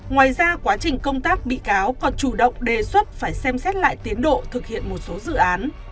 ngoài ra quá trình công tác bị cáo còn chủ động đề xuất phải xem xét lại tiến độ thực hiện một số dự án